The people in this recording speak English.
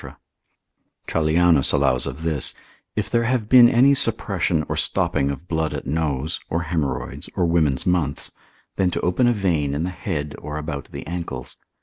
Trallianus allows of this, If there have been any suppression or stopping of blood at nose, or haemorrhoids, or women's months, then to open a vein in the head or about the ankles.